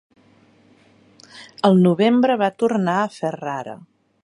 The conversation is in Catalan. Al novembre va tornar a Ferrara.